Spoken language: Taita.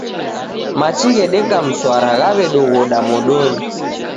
Machi ghedeka mswara ghaw'edoghoda modonyi.